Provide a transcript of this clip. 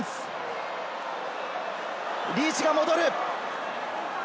リーチが戻る。